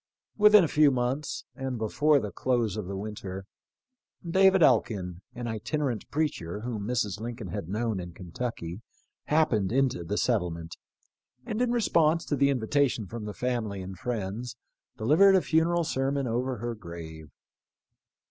Within a few months, and before the close of the winter, David Elkin, an itinerant preacher whom Mrs. Lincoln had known in Kentucky, happened into the settlement, and in response to the invitation from the family and friends, delivered a funeral sermon over her grave.